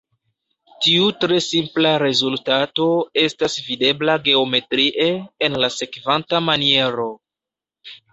Tiu tre simpla rezultato estas videbla geometrie, en la sekvanta maniero.